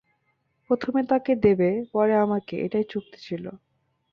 প্রথমে তাকে দেবে, পরে আমাকে, এটাই চুক্তি ছিল।